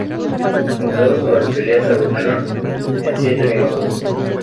Las entradas para la pelea se agotaron en siete minutos.